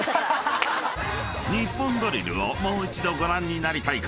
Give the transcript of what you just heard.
［『ニッポンドリル』をもう一度ご覧になりたい方はＴＶｅｒで］